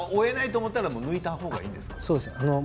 追えないと思ったら抜いたらいいですね。